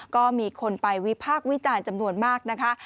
ก็มีคนไปวิพากษ์วิจารณ์จำนวนมากนะคะ